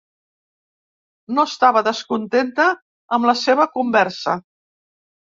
No estava descontenta amb la seva conversa.